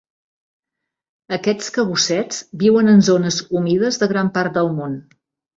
Aquests cabussets viuen en zones humides de gran part del Món.